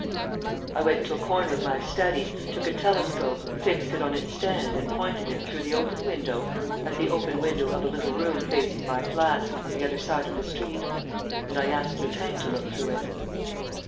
I went to a corner of my study, took a telescope, fixed it on its stand and pointed it, through the open window, at the open window of a little room facing my flat, on the other side of the street. And I asked Lupin to look through it.